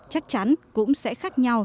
chắc chắn cũng sẽ khác nhau